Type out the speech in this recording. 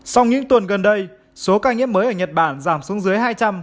sau những tuần gần đây số ca nhiễm mới ở nhật bản giảm xuống dưới hai trăm linh